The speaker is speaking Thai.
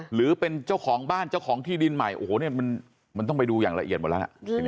หรือเป็นเจ้าของบ้านเจ้าของที่ดินใหม่โอ้โหเนี่ยมันต้องไปดูอย่างละเอียดหมดแล้วล่ะ